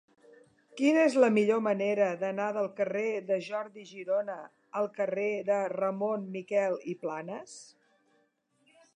Quina és la millor manera d'anar del carrer de Jordi Girona al carrer de Ramon Miquel i Planas?